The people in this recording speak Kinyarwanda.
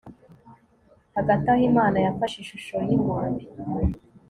hagati aho, imana yafashe ishusho yingurube